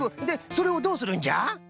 でそれをどうするんじゃ？